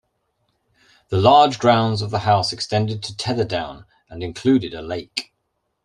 The large grounds of the house extended to Tetherdown and included a lake.